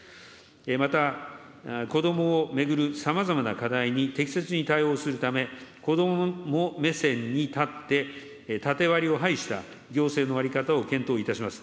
また子どもを巡るさまざまな課題に適切に対応するため、子ども目線に立って縦割りを排した行政の在り方を検討いたします。